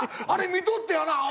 あれ見とってやな